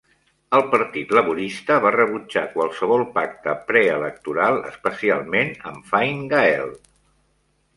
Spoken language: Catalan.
El partit laborista va rebutjar qualsevol pacte preelectoral, especialment amb Fine Gael.